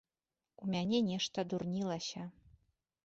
У мяне нешта дурнілася.